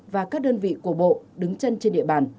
và các đơn vị của bộ đứng chân trên địa bàn